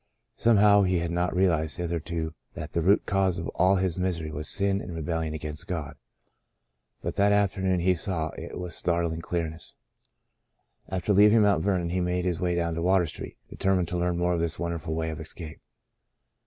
Somehow, he had not realized hitherto that the root cause of all his misery was sin and rebellion against God ; but that afternoon he saw it with startling clearness. After leaving Mount Vernon he made his way down to Water Street, determined to learn more of this wonderful way of escape.